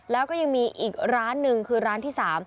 แล้วก็ยังมีอีกร้านหนึ่งคือร้านที่๓